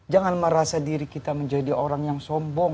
jangan merasa diri kita menjadi orang yang sombong